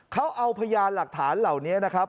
เขาเอาพยานหลักฐานเหล่านี้นะครับ